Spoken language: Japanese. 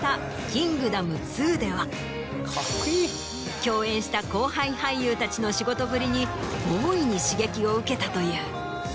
共演した後輩俳優たちの仕事ぶりに大いに刺激を受けたという。